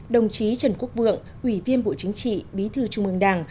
đồng chí trần quốc vượng ủy viên bộ chính trị bí thư trung ương đảng